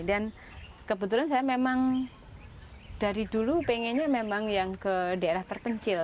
dan kebetulan saya memang dari dulu pengennya memang yang ke daerah perpencil